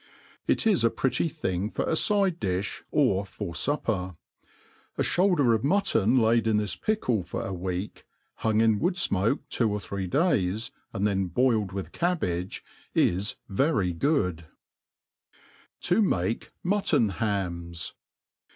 It is a pretty thing for a fide difli, or for fupper. A (houlder of mutton laid in this pickle for a week, hung in wood fmoke two or three days, and then boiled ^itb cabbage, is very good* To mafe Muiiof^ Hams.